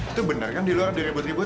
itu benar kan di luar ada ribut ribut